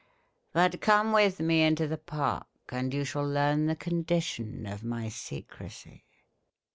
But come with me into the park, and you shall learn the condition of my secrecy."